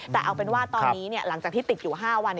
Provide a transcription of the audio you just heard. แต่เอาเป็นว่าตอนนี้หลังจากที่ติดอยู่๕วัน